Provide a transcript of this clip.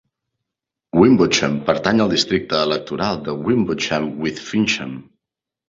Wimbotsham pertany al districte electoral de Wimbotsham with Fincham.